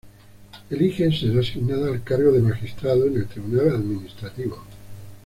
Elige ser asignada al cargo de Magistrado en el tribunal administrativo.